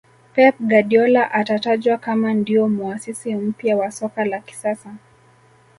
pep guardiola atatajwa kama ndio muasisi mpya wa soka la kisasa